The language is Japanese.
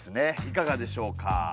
いかがでしょうか？